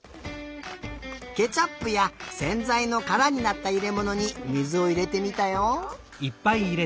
ケチャップやせんざいのからになったいれものに水をいれてみたよ。